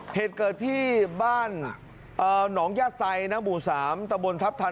เหตุเกิดที่บ้านหนองญาติไซน์น้ำหมู่สามตะบลทัพทัน